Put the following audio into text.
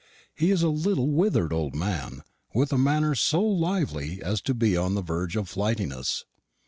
He is a little withered old man, with a manner so lively as to be on the verge of flightiness.